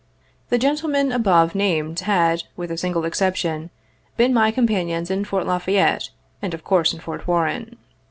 The gentlemen ahove named had, with a single exception, been my companions in Fort La Fayette, and of course in Fort Warren.